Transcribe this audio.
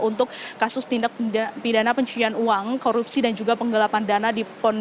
untuk kasus tindak pidana pencucian uang korupsi dan juga penggelapan dana di pon